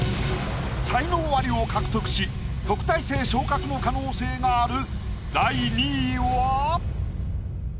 才能アリを獲得し特待生昇格の可能性がある。